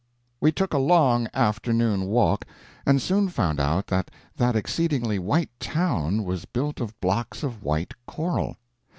We took a long afternoon walk, and soon found out that that exceedingly white town was built of blocks of white coral.